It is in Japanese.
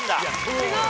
すごーい！